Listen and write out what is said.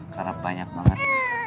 karena banyak banget